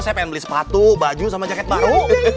saya pengen beli sepatu baju sama jaket baru